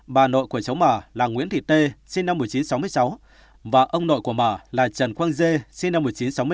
bà nội của cháu mờ là nguyễn thị tê sinh năm một nghìn chín trăm sáu mươi sáu và ông nội của mả là trần quang dê sinh năm một nghìn chín trăm sáu mươi tám